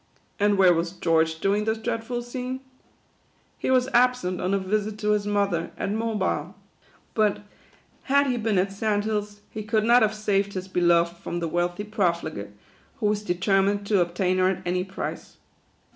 And where was George, during this dreadful scene ? He was absent on a visit to his mother, at Mobile. But, had he been at Sand Hills, he could not have saved his beloved from the wealthy profligate, who was determined to obtain her at any price.